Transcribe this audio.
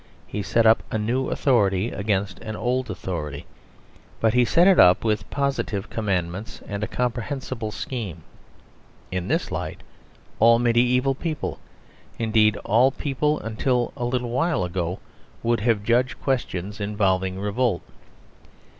He set up a new authority against an old authority; but He set it up with positive commandments and a comprehensible scheme. In this light all mediæval people indeed, all people until a little while ago would have judged questions involving revolt.